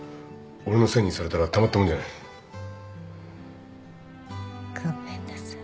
俺のせいにされたらたまったもんじゃない。